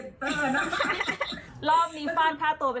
รอบนี้ฟ่านค่าตัวไปเท่าไหร่คะ